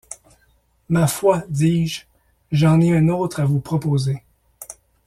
Ma foi, dis-je, j’en ai un autre à vous proposer.